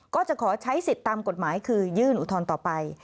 ก็จะขอใช้สิทธิ์ตามกฎหมายคือยื่นอุทธรณ์ต่อไป